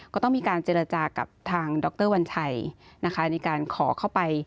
ก็ต้องมีการเจรจากับทางดรวัญชัยนะคะในการขอเข้าไป